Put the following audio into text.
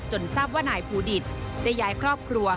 ทราบว่านายภูดิตได้ย้ายครอบครัว